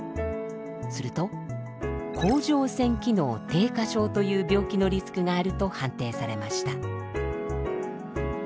すると甲状腺機能低下症という病気のリスクがあると判定されました。